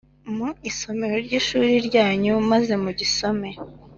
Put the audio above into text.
mu isomero ry’ishuri ryanyu, maze mugisome